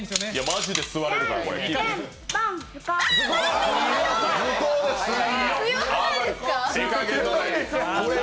マジで吸われるから、これ。